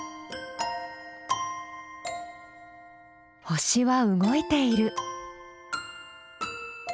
星は動いている。